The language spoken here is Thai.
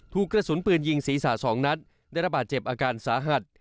ถูกกระสุนปืนยิงศีรษะ๒นัดได้ระบาดเจ็บอาการสาหัส